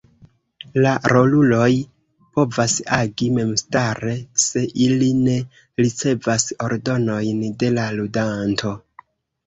La roluloj povas agi memstare se ili ne ricevas ordonojn de la ludanto.